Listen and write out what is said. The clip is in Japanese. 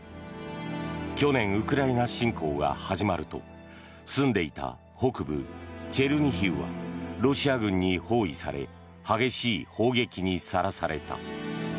去年、ウクライナ侵攻が始まると住んでいた北部チェルニヒウはロシア軍に包囲され激しい砲撃にさらされた。